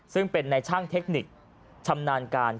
ซึ่งเป็นในช่างเทคนิคชำนาญการ